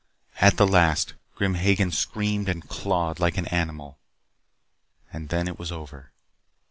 At the last, Grim Hagen screamed and clawed like an animal. And then it was over.